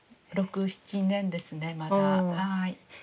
６７年ですねまだ。